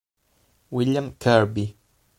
William Kirby